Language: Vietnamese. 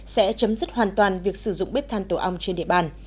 sẽ chấm dứt hoàn toàn việc sử dụng bếp than tổ ong trên địa bàn